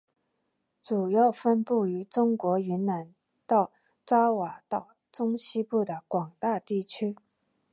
主要分布于中国云南到爪哇岛中西部的广大地区。